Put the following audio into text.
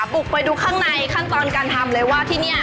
บุกไปดูข้างในขั้นตอนการทำเลยว่าที่นี่